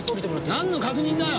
なんの確認だよ！